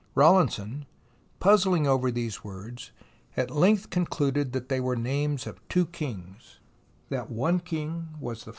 Rawlinson, puzzling over these words, at length concluded they were the names of two kings, that one king was the " rrr.!